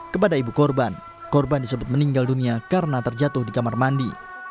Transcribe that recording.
kepada ibu korban korban disebut meninggal dunia karena terjatuh di kamar mandi